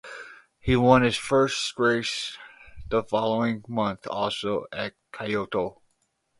He won his first race the following month also at Kyoto.